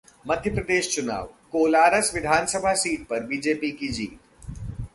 मध्य प्रदेश चुनाव: कोलारस विधानसभा सीट पर बीजेपी की जीत